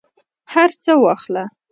هرڅه واخله